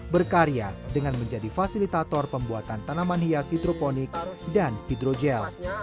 berkarya dengan menjadi fasilitator pembuatan tanaman hias hidroponik dan hidrogel